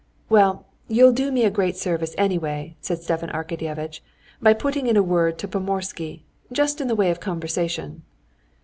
"Well, you'll do me a great service, anyway," said Stepan Arkadyevitch, "by putting in a word to Pomorsky—just in the way of conversation...."